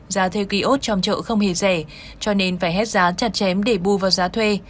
giá thuê ký ốt trong chợ không hề rẻ cho nên phải hết giá chặt chém để bù vào giá thuê